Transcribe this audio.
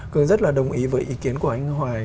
cường rất là đồng ý với ý kiến của anh hoài